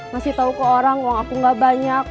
ngasih tau ke orang uang aku gak banyak